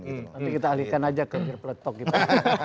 nanti kita alihkan saja ke birpetok gitu